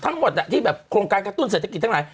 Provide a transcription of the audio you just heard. ทั้งหมดที่แบบโครงการกระตุ้นเศรษฐกิจทั้งหลาย